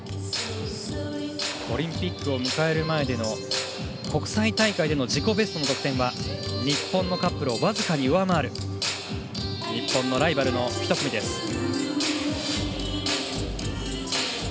オリンピックを迎える前の国際大会での自己ベストの得点は日本のカップルを僅かに上回る日本のライバルの１組です。